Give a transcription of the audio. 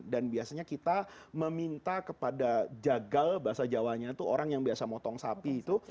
dan biasanya kita meminta kepada jagal bahasa jawanya itu orang yang biasa motong sapi itu